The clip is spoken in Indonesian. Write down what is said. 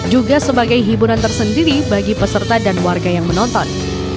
juga sebagai hiburan tersendiri bagi peserta dan warga yang menonton